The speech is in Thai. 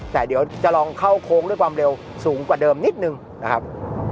แต่เดี๋ยวจะลองเข้าโค้งด้วยความเร็วสูงกว่าเดิมนิดนึงนะครับ